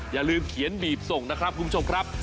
อย่าลืมเขียนบีบส่งนะครับคุณผู้ชมครับ